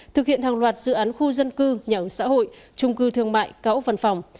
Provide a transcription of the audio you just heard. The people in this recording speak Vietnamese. thực hiện hàng loạt dự án khu dân cư nhà ứng xã hội trung cư thương mại cáo ốc văn phòng